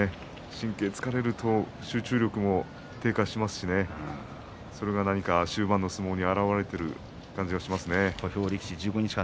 神経が疲れると集中力も低下しますしそれが何か終盤の相撲に表れているという感じがしますね。